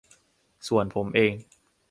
ส่วนผมเอง